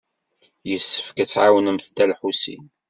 Yessefk ad tɛawnemt Dda Lḥusin.